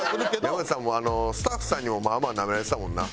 山内さんもスタッフさんにもまあまあナメられてたもんな。